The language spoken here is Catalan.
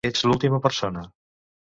Ets l'última persona.